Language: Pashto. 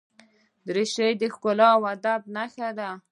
دریشي د ښکلا او ادب نښه ده.